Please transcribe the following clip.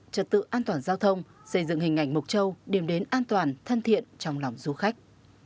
trật tự an toàn giao thông xây dựng hình ảnh mộc châu điểm đến an toàn thân thiện trong lòng du khách